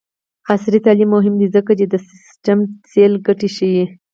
عصري تعلیم مهم دی ځکه چې د سټیم سیل ګټې ښيي.